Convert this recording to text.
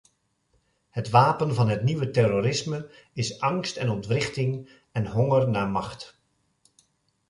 Het wapen van het nieuwe terrorisme is angst en ontwrichting en honger naar macht.